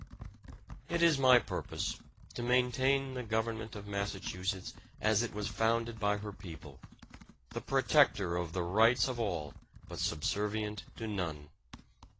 It is my purpose to maintain the Government of Massachusetts as it was founded by her people, the protector of the rights of all but subservient to none.